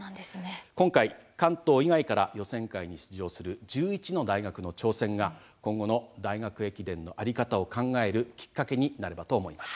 今回、関東以外から予選会に出場する１１の大学の挑戦が今後の大学駅伝の在り方を考えるきっかけになればと思います。